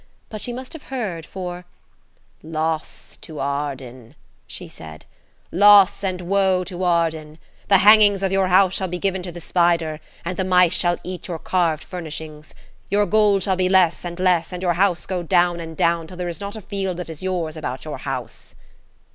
But she must have heard, for– "Loss to Arden," she said; "loss and woe to Arden. The hangings of your house shall be given to the spider, and the mice shall eat your carved furnishings. Your gold shall be less and less, and your house go down and down till there is not a field that is yours about your house."